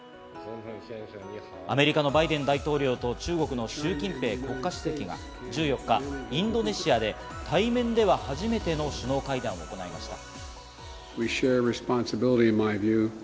アメリカのバイデン大統領と中国のシュウ・キンペイ国家主席が１４日、インドネシアで、対面では初めての首脳会談を行いました。